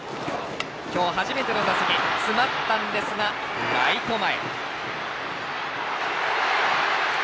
今日初めての打席詰まったんですがライト前。